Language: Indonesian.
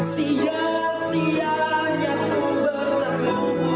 sia sia yang ku bertemu